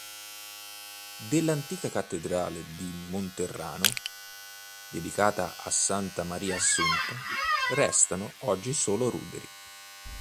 Dell'antica cattedrale di Monterano, dedicata a Santa Maria Assunta, restano oggi solo ruderi.